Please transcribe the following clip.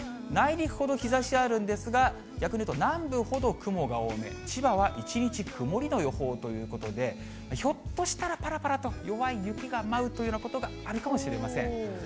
内陸ほど日ざしあるんですが、逆にいうと南部ほど雲が多め、千葉は一日曇りの予報ということで、ひょっとしたらぱらぱらと弱い雪が舞うというようなことがあるかもしれません。